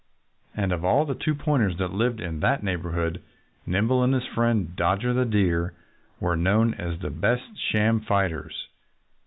And of all the "two pointers" that lived in that neighborhood, Nimble and his friend Dodger the Deer were known as the best sham fighters.